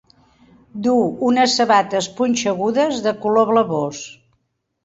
Du unes sabates punxegudes de color blavós.